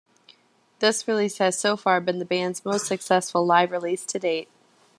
This release has so far been the band's most successful live release to date.